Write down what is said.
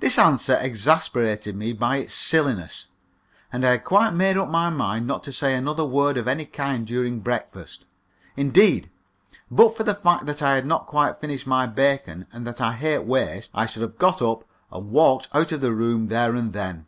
This answer exasperated me by its silliness, and I had quite made up my mind not to say another word of any kind during breakfast. Indeed, but for the fact that I had not quite finished my bacon and that I hate waste, I should have got up and walked out of the room there and then.